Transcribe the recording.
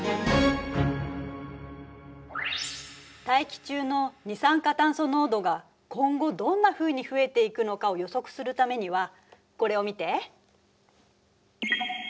大気中の二酸化炭素濃度が今後どんなふうに増えていくのかを予測するためにはこれを見て。